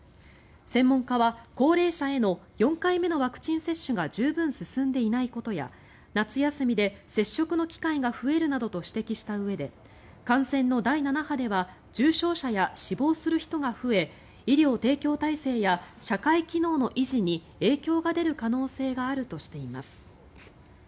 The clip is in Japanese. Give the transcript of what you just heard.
専門家は高齢者への４回目のワクチン接種が十分進んでいないことや夏休みで接触の機会が増えるなどと指摘したうえで感染の第７波では重症者や死亡する人が増え医療提供体制や社会機能の維持に影響が出る可能性があるとしています。